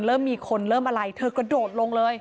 เริ่มมีคนเริ่มอะไรเธอกระโดดลงเลย